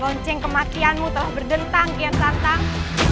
lonceng kematianmu telah berdentang kian santang